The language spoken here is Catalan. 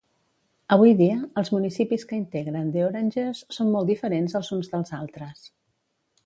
Avui dia, els municipis que integren The Oranges són molt diferents els uns dels altres.